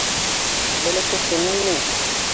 Бәләкәсем минең!